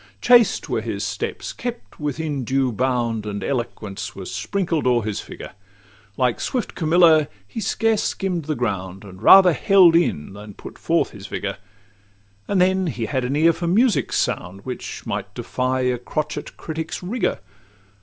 Chaste were his steps, each kept within due bound, And elegance was sprinkled o'er his figure; Like swift Camilla, he scarce skimm'd the ground, And rather held in than put forth his vigour; And then he had an ear for music's sound, Which might defy a crotchet critic's rigour.